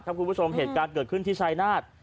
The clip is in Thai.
คุณผู้ชมเหตุการณ์เกิดขึ้นที่ชายนาฏ